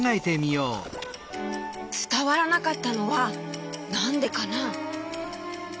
つたわらなかったのはなんでかな？